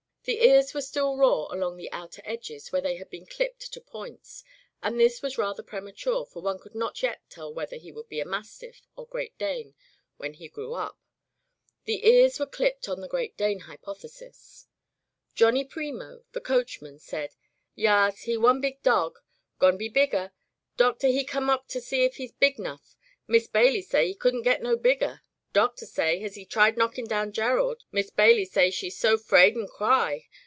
The ears were still raw along the outer edges where they had been clipped to points, and this was rather pre mature, for one could not yet tell whether he would be mastiff or Great Dane when he grew up. The ears were clipped on the Great Dane hypothesis. Johnny Premo, the coachman, said :" Yas, he one big dog. Gon be bigger. Doctor he come up to see if he's big 'nough. Mis' Bailey say she couldn' get no bigger. Doctor say, has he tried knockin' down Gerald? Mis' Bailey say she so 'fraid an' cry.